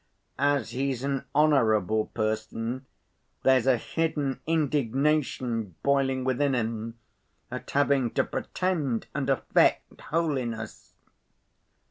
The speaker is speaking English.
As he's an honorable person there's a hidden indignation boiling within him at having to pretend and affect holiness."